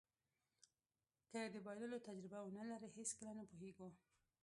که د بایللو تجربه ونلرئ هېڅکله نه پوهېږو.